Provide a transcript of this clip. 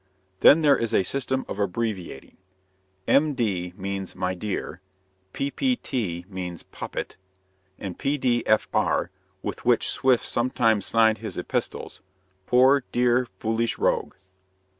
Then there is a system of abbreviating. "Md" means "my dear," "Ppt" means "poppet," and "Pdfr," with which Swift sometimes signed his epistles, "poor, dear, foolish rogue."